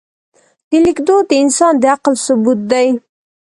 د لیک دود د انسان د عقل ثبوت دی.